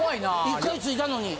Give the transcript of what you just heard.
一回点いたのに。